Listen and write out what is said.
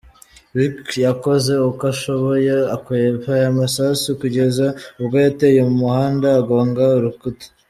Rick yakoze uko ashoboye akwepa aya amasasu kugeza ubwo yataye umuhanda agonga urukuta.